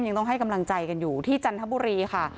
ยังต้องให้กำลังใจกันอยู่ที่จันทบุรีค่ะ